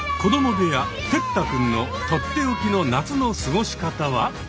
部屋鉄太くんの取って置きの夏の過ごし方は？